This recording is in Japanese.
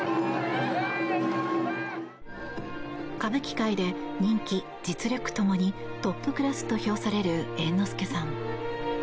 歌舞伎界で人気・実力共にトップクラスと評される猿之助さん。